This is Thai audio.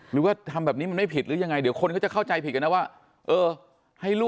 หรือว่าทำแบบนี้ไม่ผิดหรือยังไง